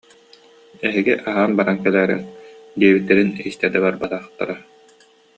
«Эһиги аһаан баран кэлээриҥ» диэбиттэрин истэ да барбатахтара